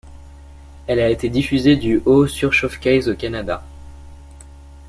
Elle a été diffusée du au sur Showcase, au Canada.